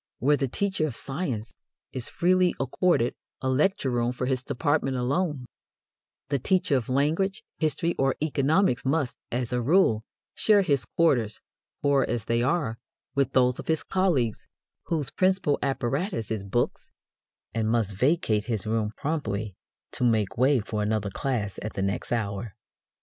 Where the teacher of science is freely accorded a lecture room for his department alone, the teacher of language, history, or economics must, as a rule, share his quarters, poor as they are, with those of his colleagues whose principal apparatus is books, and must vacate his room promptly to make way for another class at the next hour.